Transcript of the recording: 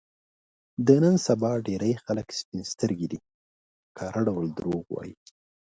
د نن سبا ډېری خلک سپین سترګي دي، په ښکاره ډول دروغ وايي.